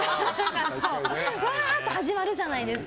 わーって始まるじゃないですか。